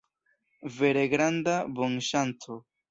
Vere granda bonŝanco.